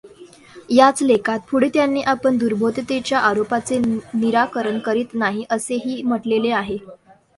याच लेखात पुढे त्यांनी आपण दुर्बोधतेच्या आरोपाचे निराकरण करीत नाही, असेही म्हटलेले आहे.